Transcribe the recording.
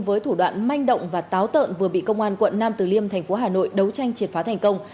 với thủ đoạn manh động và táo tợn vừa bị công an quận nam từ liêm thành phố hà nội đấu tranh triệt phá thành công